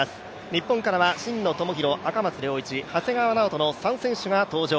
日本からは真野友博、赤松諒一、長谷川直人の３選手が登場。